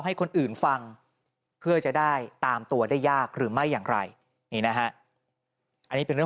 หลังจากพบศพผู้หญิงปริศนาตายตรงนี้ครับ